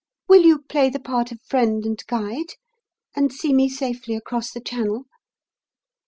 Will you play the part of friend and guide and see me safely across the Channel?"